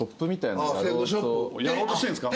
やろうとしてるんですか？